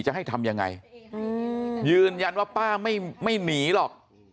จะให้ทำยังไงยืนยันว่าป้าไม่หนีหรอก